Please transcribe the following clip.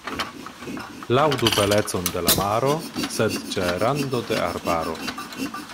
Laŭdu belecon de la maro, sed ĉe rando de arbaro.